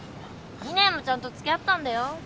２年もちゃんと付き合ったんだよ。